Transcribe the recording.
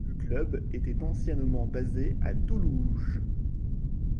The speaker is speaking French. Le club était anciennement basé à Toulouges.